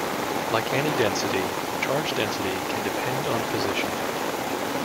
Like any density, charge density can depend on position.